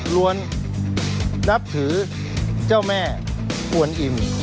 ล้วนนับถือเจ้าแม่กวนอิ่ม